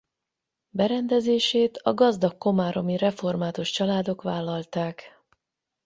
Berendezését a gazdag komáromi református családok vállalták.